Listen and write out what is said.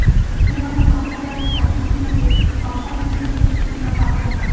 শেরেবাংলা মহাবিদ্যালয়ের ছাত্রী মর্জিনাকে বংশাল থেকে নিতে এসেছেন বাবা আবুল হাসান।